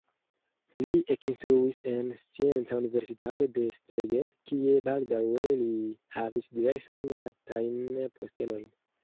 Li ekinstruis en Scienca Universitato de Szeged, kie baldaŭe li havis diversajn altajn postenojn.